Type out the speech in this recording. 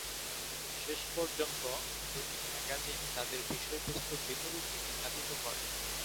শেষ পর্যন্ত, দুটি ম্যাগাজিন তাদের বিষয়বস্তু বিপরীত দিকে চালিত করে।